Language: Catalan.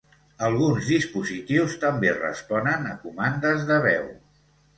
Alguns dispositius també responen a comandes de veu.